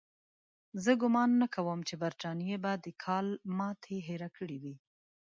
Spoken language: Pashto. زه ګومان نه کوم چې برټانیې به د کال ماتې هېره کړې وي.